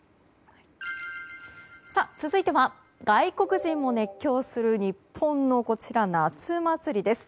続いては外国人も熱狂する日本の夏祭りです。